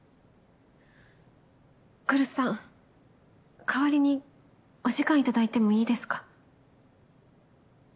来栖さん代わりにお時間いただいてもいいですか？